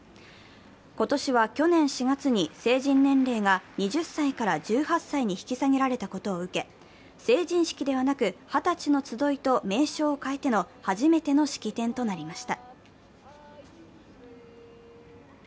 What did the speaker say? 今年は去年４月に成人年齢が２０歳から１８歳に引き下げられたことを受け、成人式ではなく二十歳の集いと名称を変えての初めての式典となりました。